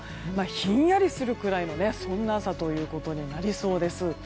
ひんやりするくらいの朝となりそうです。